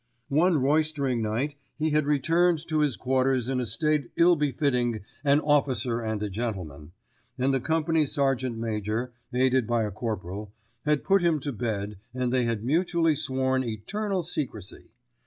One roystering night he had returned to his quarters in a state ill befitting "an officer and a gentleman," and the company sergeant major, aided by a corporal, had put him to bed and they had mutually sworn eternal secrecy.